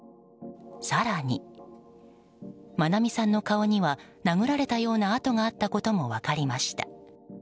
更に、愛美さんの顔には殴られたような痕があったことも分かりました。